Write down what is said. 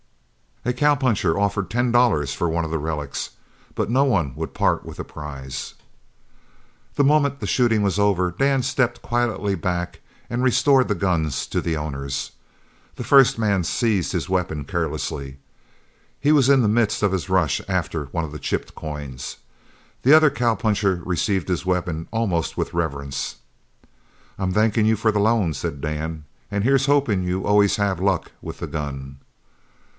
A cowpuncher offered ten dollars for one of the relics but none would part with a prize. The moment the shooting was over Dan stepped quietly back and restored the guns to the owners. The first man seized his weapon carelessly. He was in the midst of his rush after one of the chipped coins. The other cowpuncher received his weapon almost with reverence. "I'm thankin' you for the loan," said Dan, "an here's hopin' you always have luck with the gun."